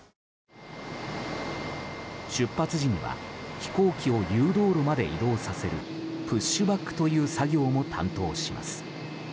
出発時には飛行機を誘導路まで移動させるプッシュバックという作業も担当します。